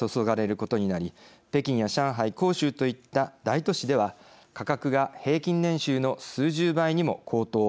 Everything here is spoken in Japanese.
北京や上海広州といった大都市では価格が平均年収の数十倍にも高騰。